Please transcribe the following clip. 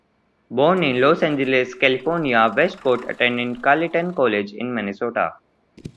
Born in Los Angeles, California, Westcott attended Carleton College in Minnesota.